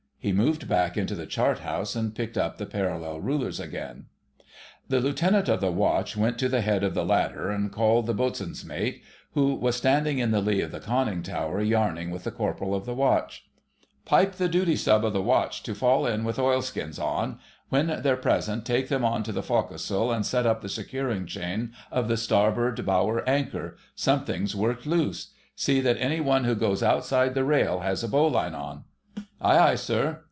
He moved back into the chart house and picked up the parallel rulers again. [#] A thorough wetting. The Lieutenant of the Watch went to the head of the ladder and called the Boatswain's Mate, who was standing in the lee of the conning tower yarning with the Corporal of the Watch— "Pipe the duty sub. of the watch to fall in with oilskins on; when they're present, take them on to the forecastle and set up the securing chain of the starboard bower anchor. Something's worked loose. See that any one who goes outside the rail has a bowline on." "Aye, aye, sir."